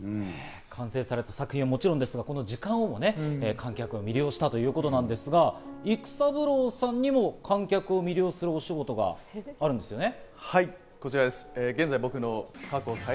完成された作品はもちろんですが、この時間、観客を魅了したということで、育三郎さんにも観客を魅了するお仕事があるんですよね。